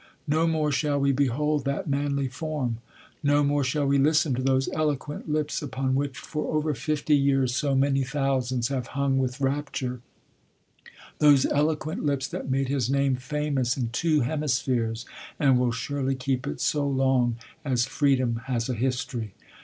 No more shall we behold that manly form. No more shall we listen to those eloquent lips upon which for over fifty years so many thousands have hung with rapture, those eloquent lips that made his name famous in two hemispheres, and will surely keep it so long as freedom has a history.